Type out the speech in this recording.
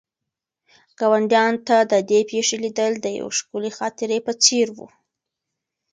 ګاونډیانو ته د دې پېښې لیدل د یوې ښکلې خاطرې په څېر وو.